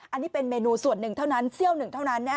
อันนี้เป็นเมนูส่วนหนึ่งเท่านั้นเสี้ยวหนึ่งเท่านั้น